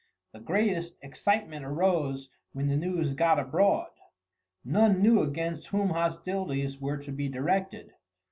The greatest excitement arose when the news got abroad. None knew against whom hostilities were to be directed.